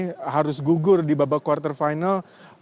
dan yang lainnya harus gugur di babak quarter final